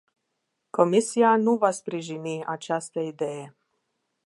Comisia nu va sprijini această idee.